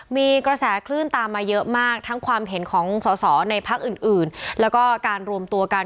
มีกระแสคลื่นตามมาเยอะมากทั้งความเห็นของสอสอในพักอื่นแล้วก็การรวมตัวกัน